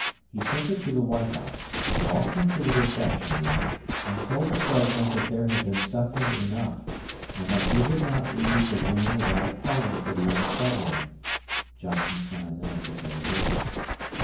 He took her to the White House, walked into the reception room, and told the President that there had been suffering enough, and that he would not leave the room without a pardon for the young Southerner. Johnson signed the necessary paper.